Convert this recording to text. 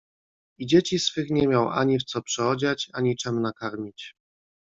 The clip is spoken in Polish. "I dzieci swych nie miał ani w co przyodziać, ani czem nakarmić."